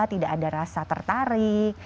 tidak ada rasa tertarik